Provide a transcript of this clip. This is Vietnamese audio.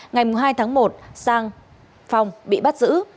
ngày hai tháng một sang phong bị bắt giữ